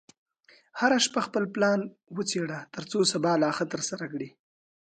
هره شپه خپل پلان وڅېړه، ترڅو سبا لا ښه ترسره کړې.